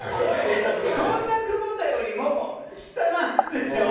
そんな久保田よりも下なんでしょ？